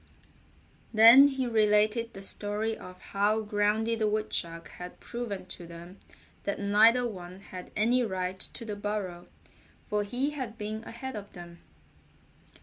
Then he related the story of how Groundy the Woodchuck had proven to them that neither one had any right to the burrow, for he had been ahead of them.